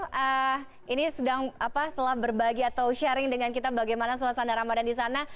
mbak tusi aiko ini setelah berbagi atau sharing dengan kita bagaimana solasana ramadhan di sana